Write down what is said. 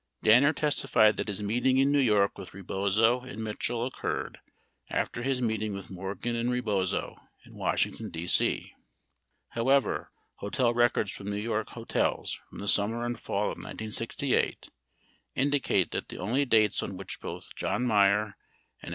53 Danner testified that his meeting in New York with Rebozo and Mitchell occurred after his meeting with Morgan and Rebozo in Washington, D.C. However, hotel records from New York hotels from the summer and fall of 1968, indicate that the only dates on which both John Meier and F.